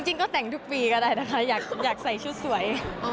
จริงก็แต่งทุกปีก็ได้นะคะอยากใส่ชุดสวย